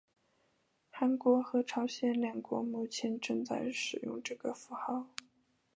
韩国和朝鲜两国目前正在使用这个符号。